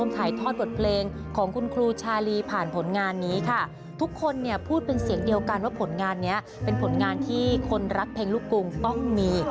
ทุกคนพูดเป็นเสียงเดียวกันว่าผลงานนี้เป็นผลงานที่คนรักเพลงลูกกรุงต้องมี